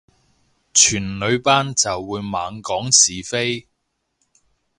全女班就會猛講是非